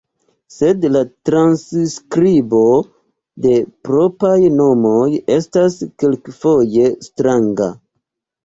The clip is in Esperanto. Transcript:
Sed la transskribo de propraj nomoj estas kelkfoje stranga.